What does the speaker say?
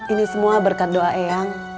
ini semua berkat doa eyang